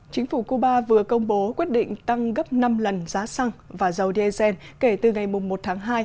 chính phủ cuba vừa công bố quyết định tăng gấp năm lần giá xăng và dầu diesel kể từ ngày một tháng hai